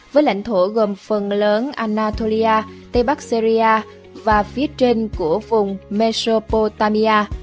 với lãnh thổ gồm phần lớn anatolia tây bắc syria và phía trên của vùng mesopotamia